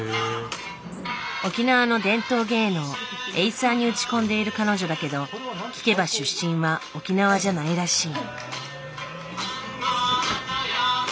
沖縄の伝統芸能エイサーに打ち込んでいる彼女だけど聞けば出身は沖縄じゃないらしい。